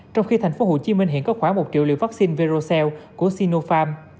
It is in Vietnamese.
trong khi thành phố hồ chí minh hiện có khoảng một triệu liều vaccine verocell của sinopharm